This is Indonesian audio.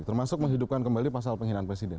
termasuk menghidupkan kembali pasal penghinaan presiden